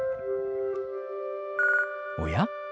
おや？